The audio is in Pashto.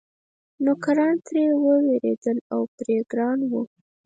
نوکران ترې وېرېدل او پرې ګران وو.